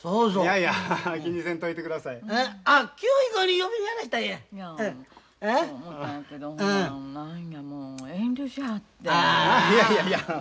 いやいやいや。